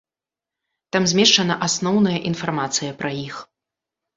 Там змешчана асноўная інфармацыя пра іх.